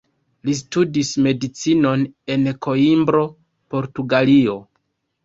Li studis Medicinon en Koimbro, Portugalio.